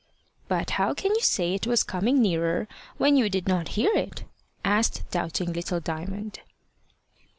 "But how can you say it was coming nearer when you did not hear it?" asked doubting little Diamond.